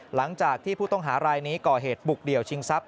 หลังจากที่ผู้ต้องหารายนี้ก่อเหตุบุกเดี่ยวชิงทรัพย